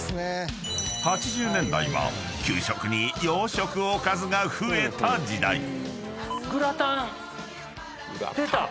［８０年代は給食に洋食おかずが増えた時代］出た？